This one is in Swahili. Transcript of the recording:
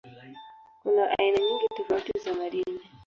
Kuna aina nyingi tofauti za madini.